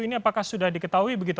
ini apakah sudah diketahui begitu